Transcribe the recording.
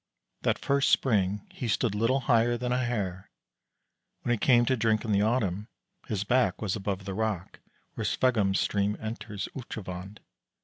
That first spring he stood little higher than a Hare. When he came to drink in the autumn, his back was above the rock where Sveggum's stream enters Utrovand.